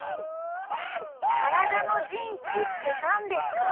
からだのじんちってなんですか？